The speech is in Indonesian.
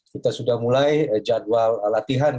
kita sudah mulai jadwal latihan